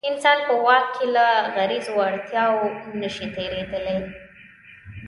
انسان په واک کې له غریزو اړتیاوو نه شي تېرېدلی.